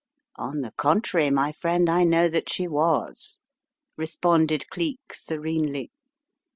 "On the contrary, my friend, I know that she was," responded Cleek, serenely.